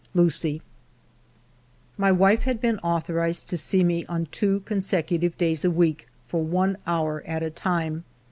Lucie." My wife had been authorized to see me on two consecutive days a week for one hour at a time.